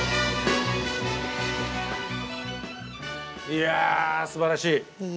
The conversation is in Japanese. いやあすばらしい。